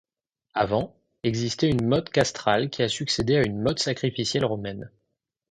Avant, existait une motte castrale qui a succédé à une motte sacrificielle romaine.